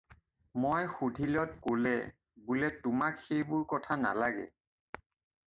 মই সুধিলত ক'লে বোলে তোমাক সেইবোৰ কথা নালাগে।